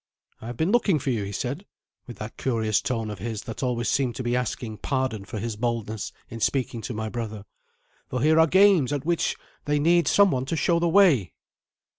"I have been looking for you," he said, with that curious tone of his that always seemed to be asking pardon for his boldness in speaking to my brother; "for here are games at which they need some one to show the way."